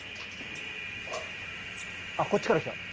あっこっちから来た。